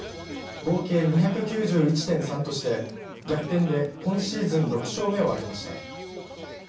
合計２９１．３として逆転で今シーズン６勝目を挙げました。